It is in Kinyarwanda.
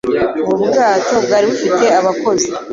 Ubu bwato bwari bufite abakozi